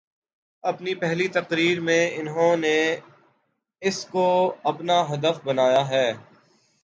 اپنی پہلی تقریر میں انہوں نے اس کو اپناہدف بتایا ہے۔